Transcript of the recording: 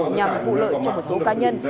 nhằm vụ lợi cho một số ca nhân